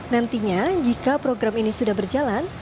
nantinya jika program ini sudah berjalan